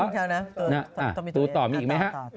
ตรงนี้ต้องมีสลิปอีกไหมฮะ